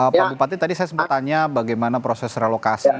pak bupati tadi saya sempat tanya bagaimana proses relokasi